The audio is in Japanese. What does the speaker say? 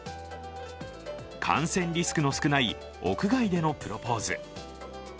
感染リスクの少ない屋外でのプロポーズ。